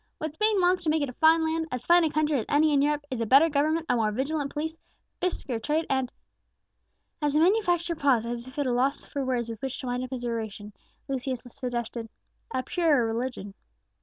What Spain wants to make it a fine land, as fine a country as any in Europe, is a better government, a more vigilant police, brisker trade, and " As the manufacturer paused, as if at a loss for words with which to wind up his oration, Lucius suggested "a purer religion."